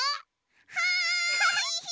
はい！